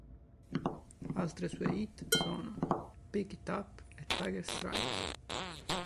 Altre sue hit sono "Pick It Up" e "Tiger Stripes".